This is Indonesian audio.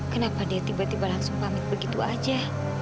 kenapa dia tiba tiba langsung pamit begitu aja